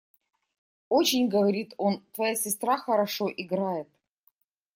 – «Очень, – говорит он, – твоя сестра хорошо играет.